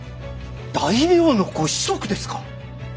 大名のご子息ですか。